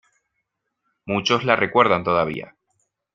Muchos la recuerdan todavía.